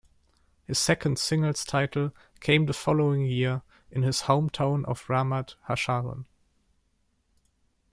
His second singles title came the following year in his hometown of Ramat Hasharon.